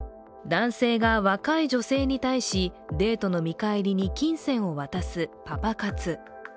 男性が若い女性に対し、デートの見返りに金銭を渡すパパ活。